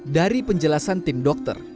dari penjelasan tim dokter